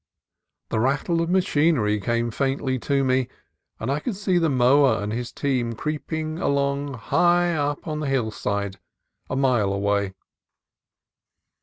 The rattle of machinery came faintly to me, and I could see the mower and his team creeping along high up on the hillside a mile away.